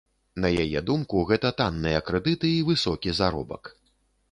На яе думку, гэта танныя крэдыты і высокі заробак.